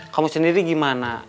kamu sendiri gimana